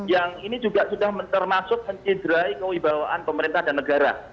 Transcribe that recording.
yang ini juga sudah termasuk mencederai kewibawaan pemerintah dan negara